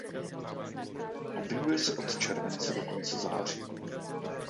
Objevuje se od července do konce září.